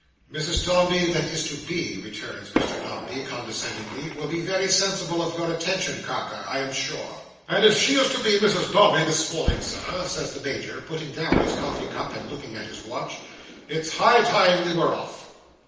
"Mrs Dombey, that is to be," returns Mr Dombey, condescendingly, "will be very sensible of your attention, Carker, I am sure." "And if she is to be Mrs Dombey this morning, Sir," says the Major, putting down his coffee cup, and looking at his watch, "it's high time we were off!"